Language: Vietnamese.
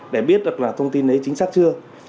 để biết là thông tin đấy chính xác chưa